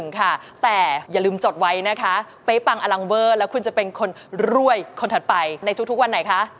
คุณจะเป็นคนรวยคนถัดไปในทุกวันไหนคะ